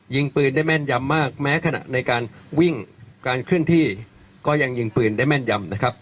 ยิงปืนได้แม่นยำมากแม้ขณะในการวิ่งการเคลื่อนที่ก็ยังยิงปืนได้แม่นยำนะครับ